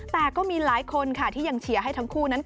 แต่ก็มีหลายคนค่ะที่ยังเชียร์ให้ทั้งคู่นั้น